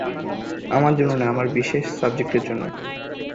আমার জন্য না, আমার বিশেষ সাবজেক্টের জন্য।